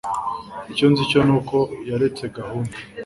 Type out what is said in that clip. Icyo nzi cyo ni uko yaretse gahunda